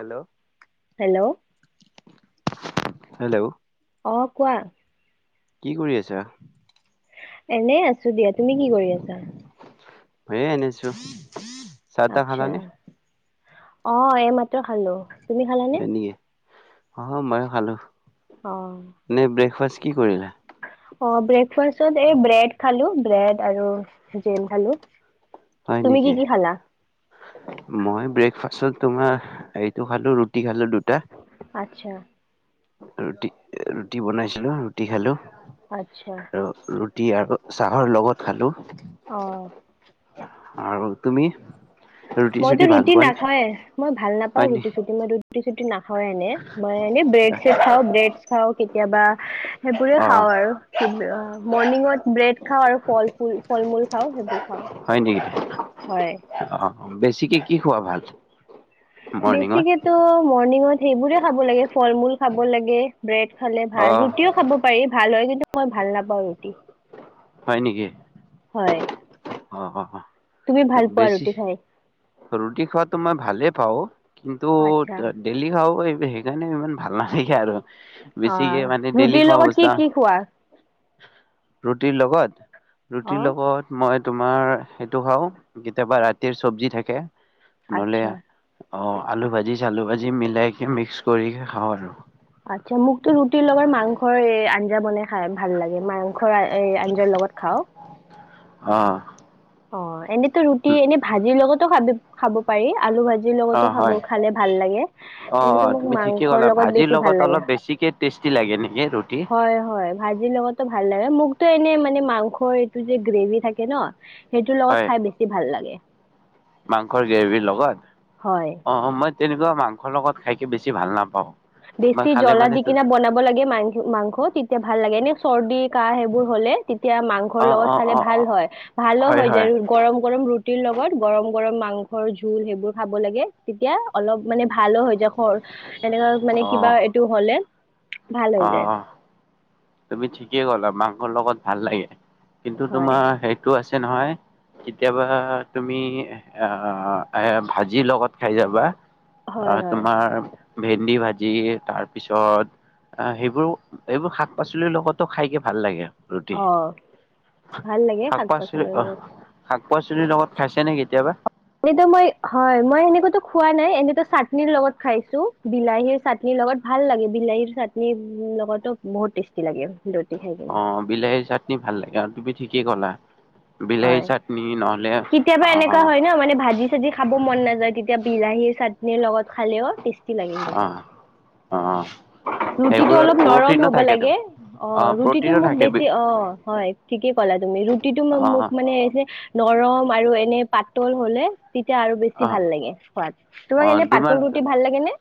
Hello hello. Hello অ', কোৱা। কি কৰি আছা? এনে আছ দিয়া, তুমি কি কৰি আছা? ময়ো এনে আছো। চাহ তাহ খালা আচ্ছা নে? অ', এই মাত্ৰ খালো। তুমি খালানে? হয় নেকি অ', মই খালো। অ নে ব্ৰেকফাষ্ট কি কৰিলা? অ', ব্ৰেকফাষ্টত এই ব্ৰেড খালো, ব্ৰেড আৰু জেম খালো। হয় তুমি কি নিকি? কি খালা মই ব্ৰেকফাষ্টত তোমাৰ এইটো খালো ৰুটি খালো দুটা। আতচা। ৰুটি, ৰুটি বনাইছিলো ৰুটি খালো। আচ্ছা। ৰুটী আৰু চাহৰ লগত খালো। অঁ। আৰু তুমি? ৰুটি মইতো চুটি ভাল ৰুটি পোৱা নে নাখাও য়ে মই ভাল হয় নাপাওঁ নি ৰুটি চুটি মই ৰুটি চুটি নাখাও। হয়নে, মইনে ব্ৰেড চছেড খাওঁ ব্ৰেড খাওঁ কেতিয়াবা সেইবোৰে অ খাওঁ আৰু ক মৰ্ণিঙত ব্ৰেড খাওঁ আৰু ফল মূল খাও সেইবোৰ। খাওঁ হয় নেকি হয় অঁ বেছি কি কি খোৱা ভাল মৰ্ণিঙত বেছিকেতো মৰনিংত সেইবোৰে খাব লাগে ফল মূল খাব লাগে ব্ৰেড খালে অ ভাল ৰুটিও খাব পাৰি ভাল হয় কি মই ভাল নাপাওঁ ৰুটি। হয় নেকি? হয়। অ', অ'। তুমি ভাল পোৱা বেছি ৰুটি খাই ৰুটি খোৱাতটো মই ভালে পাওঁ কিন্তু আচ্ছা ডেইলি খাব পাৰি সেইকাৰণে ইমান ভাল নালাগে আৰু। অ বেছিকে মানে ডেইলি ৰুটিৰ খোৱা লগত কি বৱস্থা কি খোৱা ৰুটিৰ লগত ৰুটিৰ অ লগত মই তোমাৰ সেইটো খাও কেতিয়াবা ৰাতিৰ চব্জি থাকে নহ'লে আচ্ছা। অ', আলু ভাজি চালু ভাজি মিলাইকে মিক্স কৰি খাওঁ আৰু। আচ্ছা মোকতো ৰুটিৰ লগত মাংসৰ আঞ্জা বনে খায় ভাল লাগে মাংস [unintelligible] আঞ্জৰ লগত খাওঁ। অ অঁ এনে ৰুটি এনে ভাজিৰ লগতো খাবি খাব পাৰি আলু ভাজি অ লগতো হয় খালে ভাল লাগে অ এনে অ টো মোক তুমি ঠিকেই মাংসৰ ক'লা লগত ভাজিৰ বেছি ভাল লাগে, অলপ বেছিকে টেষ্টি লাগে নেকি ৰুটি হয় হয় ভাজিৰ লগতো ভাল লাগে মোক টে এনে মানে মাংসৰ এইটো যে গ্ৰেভি থাকে ন সেইটোৰ লগত হয় খাই বেছি ভাল লাগে। মাংসৰ গ্ৰেভিৰ লগত হয়। অ মই তেনেকুৱা মাংসৰ লগত খাইকৈ বেছি ভাল নাপাওঁ মই বেছি খালে জ্বলা দি মানে কিনা বনাব লাগে মাং মাংস তেতিয়া ভাল লাগে এনে চৰ্দি কাহ সেইবোৰ হলে তেতিয়া মাংসৰ অ', লগত অ', খালে অ', ভাল অ', হয় ভালো হয় যায় গৰম গৰম ৰুটিৰ লগত গৰম গৰম মাংসৰ জোল সেইবোৰ খাব লাগে তেতিয়া অলপ মানে ভ ভালো হৈ যায় খৰ এনেকুৱা মানে কিবা অ', এইটো হ'লে ভাল হৈ অ যায় তুমি ঠিকেই গ'লা মাকং আৰ লগত ভাল লাগে কিন্তু হয় তোমাৰ সেইটো আছে নহয় কেতিয়াবা তুমি আহ এ ভাজিৰ লগত খাই যাবা অ হয় হয় তোমাৰ ভেন্দি ভাজি যি তাৰপিছত অ সেইবোৰ এইবোৰ শাক পাচলিৰ লগতো খাইকে ভাল লাগে ৰুটি অহ ভাল লাগে শাক পাচলি পাচলিৰ অ', লগত শাক পাচলিৰ লগত খাইছেনে কেতিয়াবা এনেতো মই হয় মই এনেকোতো খোৱা নাই এনেতো চাটনিৰ লগত খাইছো বিলাহীৰ চাটনিৰ লগত ভাল লাগে বিলাহীৰ চাটনিৰ লগতো বহুত টেষ্টি লাগে খাই কিনে অ বিলাহীৰ চাটনি ভাল লাগে আৰু তুমি ঠিকেই গলা হয় কেতিয়াবা এনেকুৱা অ', হয় ন মানে ভাজি চাজি খাব মন নাযায় তেতিয়া বিলাহী চা টনি লগত খালে অ টেষ্টী লাগে কিন্তু অ', অ'। ৰুটিটো সেইবোৰত অলপ নৰম প্ৰটিনো হ'ব থাকে লাগে তুমি অ ৰুটিটো প্ৰটিনো মোক থাকে বেছি বি- অ হয় ঠিকেই ক'লা তুমি ৰুটিটো অ মোক এ যে নৰম আৰু এনে পাতল হলে তেতিয়া আৰু বেছি অ ভাল লাগে সোৱাদ অ তোমাক এনে তোমাৰ পাতল ৰুটি ভাল লাগে নে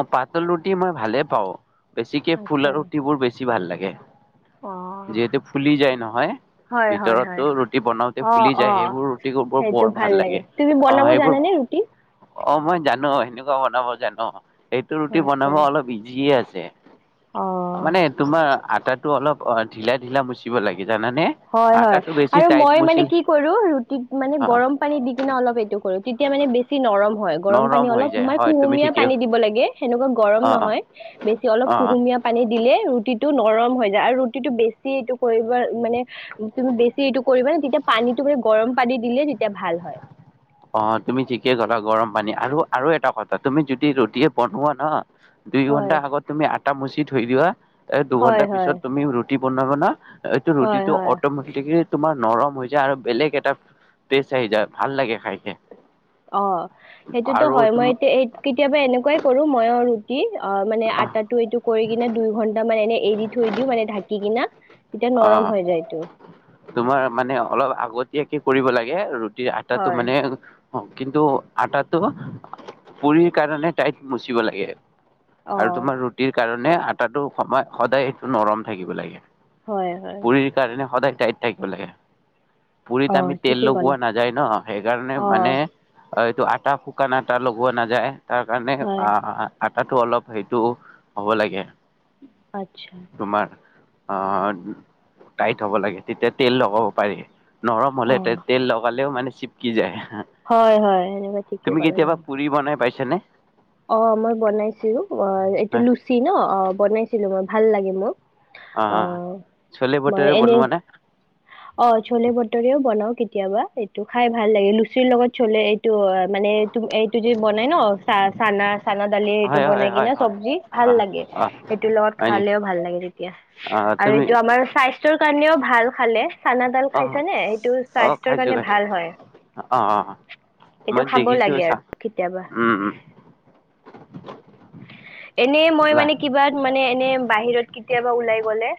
অ পাতল ৰুটি মই ভালে পাওঁ বেছিকে ফুলা আচ্ছা ৰুটিবোৰ বেছি ভাল লাগে অ যিহেতু ফুলি যায় নহয় হয় হয় হয় ভিতৰতো ৰুটি বনাওতে অ ফুলি অ যায় সেইবোৰ ৰুটি বোৰ সেইটো বৰ ভাল লাগে তুমি অ বনাব সেইবোৰ জানানে ৰুটি অ মই জানো অ বনাব জানো এইটো ৰুটি আচ্ছা বনাব অলপ ইজিয়ে আ যে অ মানে তোমাৰ আটা টো অলপ অ ঢিলা ঢিলা মুচিব লাগে জানানে হয় হয় আটাটো বেছি আৰু টাইট মই মানে মুচিল কি কৰো ৰুটিত মানে অ গৰম পানী দি কিনে অলপ এইটো কৰো তেতিয়া মানে বেছি নৰম হয় গৰম পানী নৰম হৈ অলপ যায় সময় হয় তুমি কুুমীয়া ঠিকে পানী দিব লাগে সেনেকুৱা গৰম অ অ নহয় বেছি অলপ অ কুহুমীয়া পানী দিলে ৰুটি টো নৰম হৈ যায় আৰু ৰুটিটো বেছি এইটো কৰিব মানে তুমি বেছি এইটো কৰিবা নে তেতিয়া পানীটো মানে গৰম পানী দিলে তেতিয়া ভাল হয় অ তুমি ঠিকে গলা গৰম পানী আৰু আৰু এটা কথা তুমি যদি ৰুটিয়ে বনোৱা ন দুই হয় ঘণ্টা আগত তুমি আ আটা মচি থৈ দিবা এ হয় দুঘণ্টা হয় পিছত তুমি ৰু [unintelligible] বনাব ন এইটো হয় ৰুটিটো হয় অটমেটিকি তোমাৰ নৰম হৈ যায় আৰু বেলেগ এটা টেষ্ট আহি যায় ভাল লাগে খাই অ' সেইটোতো আৰু হয় তুম মই এতিয়া কেতিয়াবা এনেকুৱাই কৰো মইও অ মানে আটা টো এইটো কৰি কিনে দুই ঘন্টা মান এনে এৰি থৈ দিওঁ মানে ঢাকি কিনা তেতিয়া নৰম হৈ যায় এইটো অ' তোমাৰ মানে অলপ আগতয়াক কি কৰিব লাগে ৰু এই আটাটো হয় মানে অ কিন্তু আটাটো পুৰিৰ কাৰণে তইত মুচিব লাগে। অ আৰু তোমাৰ ৰুটিৰ কাৰণে মানে আটাটো সময় সদায় সেইটো নৰম থাকিব লাগে। হয় হয় পুৰীৰ কাৰণে সদায় টাইত থাকিব লাগে অ পুৰীত আমি তেল ঠিকেই লগোৱা ক'লা নাযায় ন সেইকাৰণে অ মানে অ এইটো আটা শুকান আটা লগোৱা নাযায় তাৰ কাৰণে হয় অ তাতো অলপ সেইটো হ'ব লাগে আত্ছা অ টাইট হ'ব লাগে ্তেতিয়া তেল লগাব পাৰি নৰম অ হ'লেতে তেল লগালেও মানে চিপকি যায় হয় হয় সেনেুৱা ঠিকেই কলে ন চনে অ মই বনাইছিলো অ এইটো হয় লুচি ন অ বনাইছিলো মই ভাল লাগে মোৰ অ' চলে মই বটৰে এনে বনোৱা নে অ চলে বটৰিও বনাও কেতিয়াবা এইটো খাই ভাল লাগে লুচিৰ লগত চলে এইটো অ মানে তম এইটো যে বনাই ন চাহ না চানা দালি এটো হয় হয় বনাই হয় কিনে হয়। চবজি ভাল অ লাগে অ হেতু লগত হয় নেকি খালেও ভাল লাগে তেতিয়া অ আৰু তুমি এটো আমাৰ, কাৰণেও ভাল খালে। চানাডাল অ খাইছ নে সেইটো অ স্বাস্থ্যৰ খাইছো কাৰণে খাইছো ভাল হয় অ অ এইটো মই খাব দেখিছো লাগে চা আৰু কেতিয়াবা। উম উম এনে মই ওলা মানে কিবা মানে এনে বাহিৰত কেতিয়াবা ওলাই গলে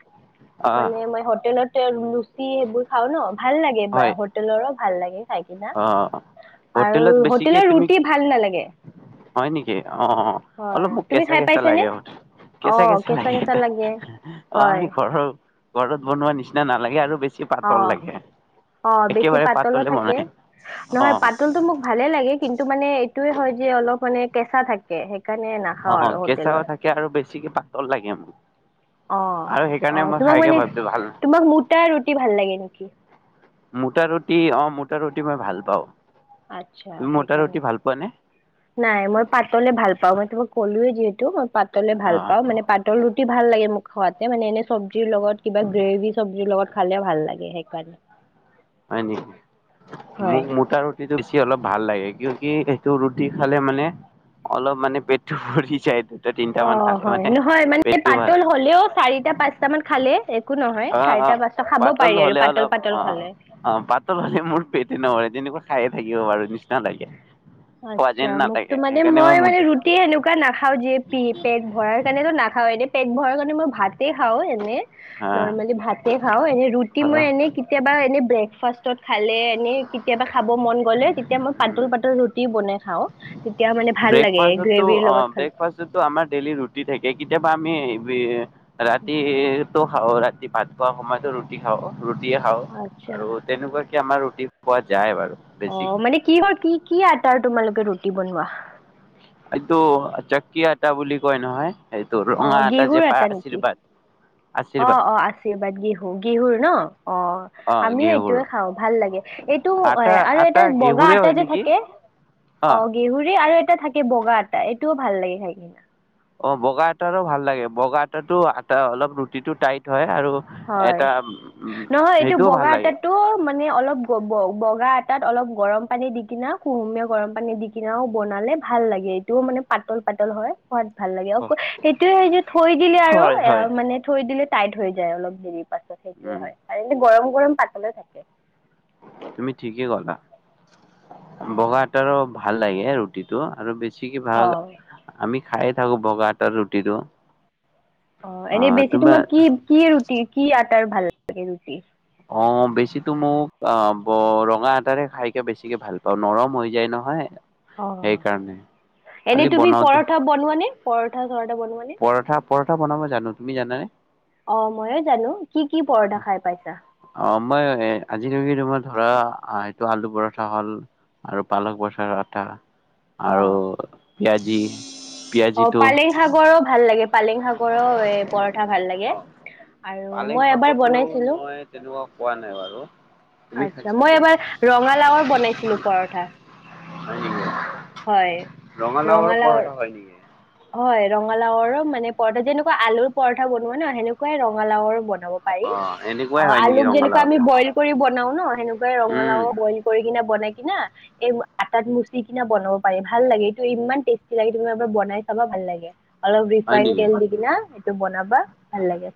আহ মানে মই হ [unintelligible] সেইবোৰ খাও ন ভাল লাগে হয় হোটেলৰ ভাল লাগে খাই কি না আহ আৰু হোটেলত বেছিকে হোটেলৰ তুমি ৰুটি ভাল নালাগে। হয় নেকি অ হয় অলপ মোক তুমি কেঁচা খাই কেঁচা পাইছানে লাগে অ কেঁচা কেঁচা লাগে এতিয়া অ হয় আমি ঘৰৰ ঘৰত বনোৱা নিচিনা নালাগে আৰু বেছি অ পাতল লাগে অ বেছি একেবাৰে পাতলো পাতলে থাকে। বনাই অ নহয় পাতলতটো মোক ভালে লাগে কিন্তু মানে এইটোয়ে হয় যে অলপ মানে কেঁচা থাকে। সেইকাৰণে অ নাখাওঁ আৰু কেঁচাও হোটেলৰ থাকে আৰু বেছিকে পাতল লাগে মোক। অ আৰু অ সেইকাৰণে মই তোমাক খাইকে মানে ভাবছো ভাল না- তোমাক মোটা ৰুটি ভাল লাগে নেকি? মোটা ৰুটি অ মোটা ৰুটি মই ভাল পাওঁ। আচ্ছা তুমি মোটা সেইকাৰণে, ৰুটি ভাল পোৱা নে নাই মই পাতলে ভাল পাওঁ মই তাক কলোৱে যিহেতু পাতলে অ ভাল পাও মানে পাতল তি ভাল লাগে মোক খোৱাতে মানে এনে চব চব্জিৰ লগত কিবা গ্ৰেভি চব্জিৰ লগত খালে ভাল লাগে সেইকাৰণে। হয় নেকি হয়। মোক মোটা ৰুটিটো দি [unintelligible] অলপ ভাল লাগে কিয় কি সেইটো ৰুটি খালে মানে অলপ মানে পেটটো ভৰি যায় তিনটা অ, মান খালে হয় মানে নহয় মানে পেটটো ভাল পাতল হলেও চাৰিটা, পাঁচটা মান খালে নহয় অ', চাৰিটা অ', পাঁচটা খাব পাতল পাৰি আৰু হলে পাতল অলপ পাতল অ', খালে অ', পাতল হলে মোৰ পেট নভৰে তেনেকুৱা খায়ে থাকিব বাৰু নিচিনা লাগে খোৱা আচ্ছা যেন মোকতো নালাগে মানে সেইকাৰণে মই মানে মোটা ৰুটি সেনেকুৱা নাখাও যিয় পেট ভৰাৰ কাৰনেতো নাখাও এনে পেট ভৰা মানে মই ভাতে খাওঁ এনে। হা নৰ্মেলি ভাতে খাও এনে ৰুটি অ মই এনেই কেতিয়াবা এনে ব্ৰে ব্ৰেকফাষ্টত খালে এনে কেতিয়াবা খাব মন ক'লে তেতিয়া মই পাতল পাতল [unintelligible] বনাই খাওঁ তেতিয়া মানে ভাল লাগে ব্ৰেকফাষ্টো গ্ৰেভিৰ অ লগত খালে ব্ৰেকফাষ্টতো আমাৰ ডেইলি ৰুটি থাকে কেতিয়াবা বা আমি বি ৰাতিৰটো খাৱ ৰা ভাত খোৱা সময়তো ৰুটি খাওঁ। ৰুটিয়ে খাওঁ আচ্ছা আৰু তেনেকুৱা কে আমাৰ ৰুটি খোৱা যায় বাৰু অ বেছিকে মানে কি কি কি আটাৰ তোমালোক কে ৰুটি বনোৱা? এইটো চাক্কি আটা বুলি কয় নহয়। সেইটো অ ৰঙা আটা যে গেহুৰ পায় এটা নেকি? আশীৰ্বাদ অ আশীৰ্বাদ অ আশীৰ্বাদ গেহু। গেহুৰ ন? অ অ আমিও ঘেঁহুৰ এইটোৱে খাওঁ ভাল লাগে, এইটো এ আটা আৰু আটা এটা বগা ঘেঁহুৰে আটা হয় যে নেকি থাকে অ গেহুৰেই আৰু এটা থাকে বগা আটা এইটোও ভাল লাগে খায় কিনা। অ বগা আটাৰো ভাল লাগে বগা আটাটো আটা অলপ ৰুটিটো টাইট হয়। আৰু হয়, এটা উম নহয় এইটো সেইটোও ভাল বগা লাগে এটো মানে অলপ গব বগা আটাত অলপ গৰম পানী দি কিনা কুহুমীয়া গৰম পানী দি কিনাও বনালে ভাল লাগে এইটোও মানে পাতল পাতল হয়। সোৱাদ ভাল লাগে, অক সেইটোয়ে যে থৈ দিলে আৰু হয় অ হয় মানে থৈ দিলে। টাইট হয়। যায় অলপ হেৰি। পাছত সেইটোয়ে উম, হয়, আৰু এনেই গৰম গৰম পাতলে থাকে। তুমি ঠিকেই কলা, বগা আটাৰো ভাল লাগে ৰুটিটো। আৰু বেছি ছিকে ভাগ অ আমি খাইয়ে থাকো বগা আটাৰ ৰুটিটো। অ' এনেই বেছি তোমাৰ কি কি ৰুটি কি আটাৰ ভাল লাগে ৰুটি? অ' বেছিতো মোক অ' ৰঙা আটাৰে খাইকে বেছিকে ভাল পাওঁ, নৰম হৈ যায় নহয়। সেইকাৰণে। অ' এনে খালি তুমি বনাওঁতে পৰঠা বনোৱানে? পৰঠা-চৰঠা বনোৱানে? পৰঠা পৰঠা বনাব জানো, তুমি জানানে? অ' ময়ো জানো। কি কি পৰঠা খাই পাইছা? অ' মই আজিলৈক তোমাৰ ধৰা এইটো আলু পৰঠা হল, আৰু পালক পৰঠা আটা। অ আৰু পিয়াজি। অ' পিয়াজিটো পালেং শাগৰো ভাল লাগে। [unintelligible] পৰঠা ভাল লগে, অ' পালেং মই এবাৰ শাকতো বনাইছিলোঁ। মই তেনেকুৱা খোৱা নাই বাৰু। তুমি আচছা মই খাইছানে? এবাৰ ৰঙালাওৰ বনাইছিলো পৰঠা হয় নেকি? হয় ৰঙালাওৰ। পৰঠা হয় নেকি? হয় ৰঙালাওৰো মানে পৰঠা যেনেকুৱা আলুৰ পৰঠা বনোৱা ন সেনেকুৱাই ৰঙালাওৰ বনোৱা। বনাব পাৰি, অ' এনেকুৱাই হয় আলু নেকি কিন্তু ৰঙালাও? বইল কৰি। নহয় সেনেকুৱাই উম, ৰঙালাও বইল কৰি কিনে। বনাই কিনা এই আটাত মুচি কিনা বনাব পাৰি ভাল লাগে এইটো ইমান টেষ্টি লাগে তুমি এবাৰ বনাই। তোমাৰ ভাল লাগে অলপ হয় ৰিফাইন নেকি? তেল দি কিনা সেইটো বনাবা ভাল লাগে।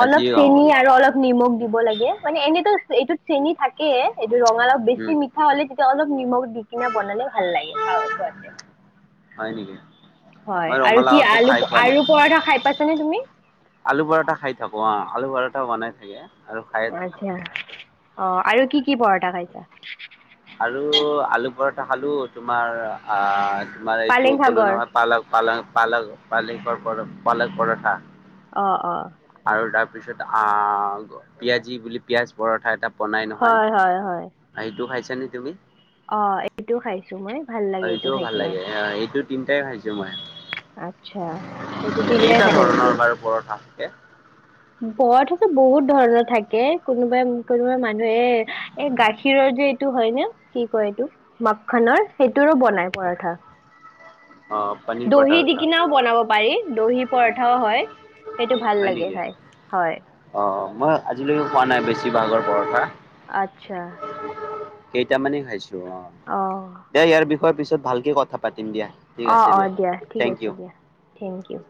আজি গম চেনি পালোঁ। আৰু অলপ নিমখ দিব লাগে মানে এনেতো। এইটোত চেনি থাকে। এইটো ৰঙালাও উম, বেছি মিঠা হলে তেতিয়া অলপ নিমখ দি কিনা বনালে ভাল লাগে খ খোৱাতে। হয় নেকি হয় মই আৰু কি ৰঙালাওটো আলু খাই পোৱা নাই আলু পৰঠা খাই পাইছানে তুমি আলু পৰঠা খাই থাকো অ' আলু পৰঠা‌ বনাই থৈ দিয়া আচ্ছা অ' আৰু কি কি পৰঠা খাইছ অ' আৰু আলু পৰঠা খালো তোমাৰ আ তোমাৰ পালেং এইটো ক'লো শাগৰ নহয় পালক পালক পালক পালেংকৰ পালক পৰঠা। অ -অ আৰু তাৰ পিছত আহ পিয়াজি বুলি পিয়াজ পৰঠা এটা। বনাই নহয় হয় হয় হয় এইটো খাইছো। তুমি? অ' এইটোও খাইছো মই ভাল লাগে অ' এইটো এইটোও খাই ভাল কিনা লাগে অ এইটোত। তিনিটাই খাইছো মই। আচ্ছা এইটো তিনিটাই কেইটা খাই থৈ‌ দিছে। ধৰণৰ বাৰু পৰঠা থাকে বহুত ধৰণৰ থাকে কোনোবাই কোনোবাই মানুহে এ এ গাখীৰৰ যে এইটো হয় নে কি কয় এইটো মাখনৰ সেইটোৰো বনাই পৰঠা। অ পনীৰ পৰঠা দহি দি কিনাও বনাব পাৰি দহি পৰঠা। অ' হয় সেইটো ভাল হয় লাগে নেকি খাই হয় অ মই আজিলৈ খোৱা‌ নাই বেছিভাগৰ পৰঠা। আচ্ছা কেইটা মানে হৈছে। অ খাইছোঁ অ ' খোৱাৰ পিছত ভালকে কথা পাতি। অ অ দিয়া ঠিক আছে দিয়া থেংক ইউ।